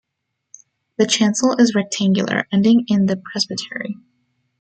The chancel is rectangular, ending in the presbytery.